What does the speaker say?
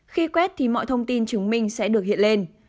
khi quét thì mọi thông tin chứng minh sẽ được hiện lên